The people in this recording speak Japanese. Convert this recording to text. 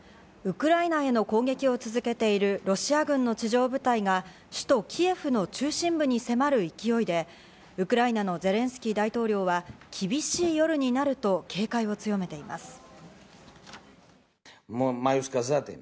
ウクライナへの攻撃を続けているロシア軍の地上部隊が首都キエフの中心部に迫る勢いで、ウクライナのゼレンスキー大統領は厳しい夜になると警戒を強めています。